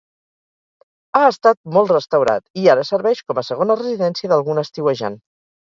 Ha estat molt restaurat, i ara serveix com a segona residència d'algun estiuejant.